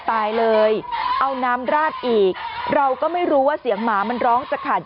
ตายเลยเอาน้ำราดอีกเราก็ไม่รู้ว่าเสียงหมามันร้องจะขัด